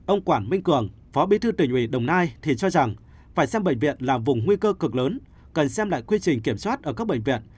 ông quảng minh cường phó bí thư tỉnh ủy đồng nai thì cho rằng phải xem bệnh viện là vùng nguy cơ cực lớn cần xem lại quy trình kiểm soát ở các bệnh viện